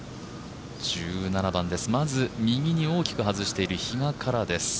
１７番、まず右に大きく外している比嘉からです。